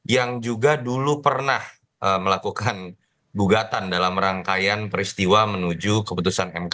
yang juga dulu pernah melakukan gugatan dalam rangkaian peristiwa menuju keputusan mk